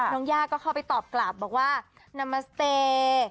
ย่าก็เข้าไปตอบกลับบอกว่านามัสเตย์